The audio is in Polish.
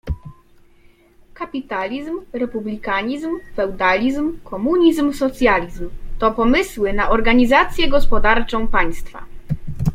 Kapitalizm, republikanizm, feudalizm, komunizm, socjalizm to pomysły na organizację gospodarczą państwa.